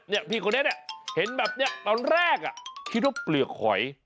พี่คนนี้เนี่ยเห็นแบบนี้ตอนแรกคิดว่าเปลือกหอย